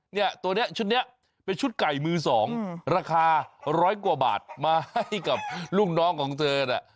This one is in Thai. เนี่ยตัวนี้ชุดนี้เป็นชุดไก่มือสองราคาร้อยกว่าบาทมาให้กับลูกน้องของเธอน่ะ